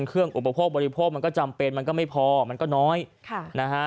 อุปโภคบริโภคมันก็จำเป็นมันก็ไม่พอมันก็น้อยค่ะนะฮะ